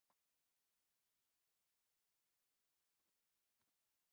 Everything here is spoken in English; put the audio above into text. Glover emphasizes that beliefs are difficult to change.